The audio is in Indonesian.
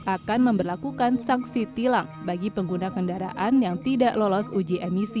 akan memperlakukan sanksi tilang bagi pengguna kendaraan yang tidak lolos uji emisi